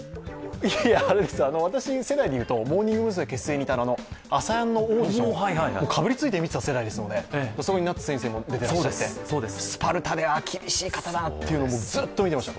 いや私世代でいうと、モーニング娘結成というと、「ＡＳＡＹＡＮ」のオーディション、かぶりついて見ていた世代ですので、そこに夏先生も出ていらっしゃってスパルタで、ああ厳しい方だなっていうのをずっと見てました。